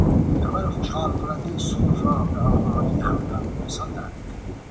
خبر خوشحال کنندهی صلح را به آگاهی همگان رساندن